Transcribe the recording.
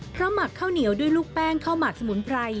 เพราะหมักข้าวเหนียวด้วยลูกแป้งข้าวหมักสมุนไพร